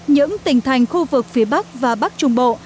những tỉnh thành khu vực phía bắc và bắc trung bộ